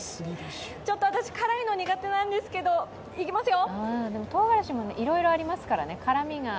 ちょっと私、辛いの苦手なんですけれどもいきますよ。